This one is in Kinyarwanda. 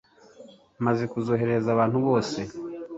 maze ukazoherereza abantu bose